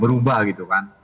berubah gitu kan